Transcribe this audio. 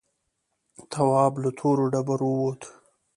تواب له تورو ډبرو ووت.